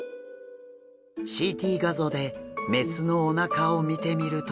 ＣＴ画像で雌のお腹を見てみると。